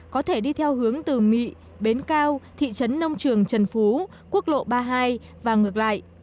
có thể đi theo hướng từ mỹ bến cao thị trấn nông trường trần phú quốc lộ ba mươi hai và ngược lại